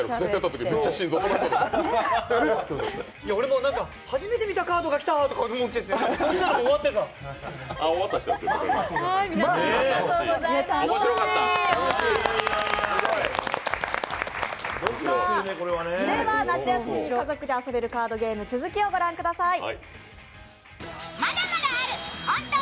では夏休みに家族で遊べるカードゲーム続きを御覧ください。